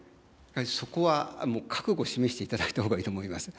そこは覚悟を示していただいたほうがいいと思います。